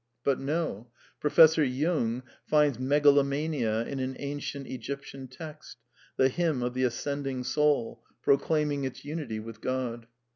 But no. Professor Jung finds megalomania in an an cient Egyptian text, the Hymn of the ascending soul, pro claiming its unity with God.